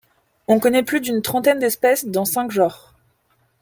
On connaît plus d'une trentaine d'espèces dans cinq genres.